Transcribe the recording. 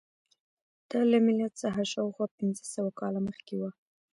دا له میلاد څخه شاوخوا پنځه سوه کاله مخکې وه